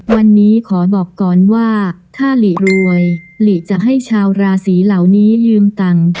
วันนี้ขอบอกก่อนว่าถ้าหลีรวยหลีจะให้ชาวราศีเหล่านี้ลืมตังค์